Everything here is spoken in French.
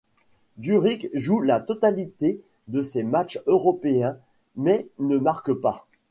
Djuric joue la totalité de ces matchs européens mais ne marque pas.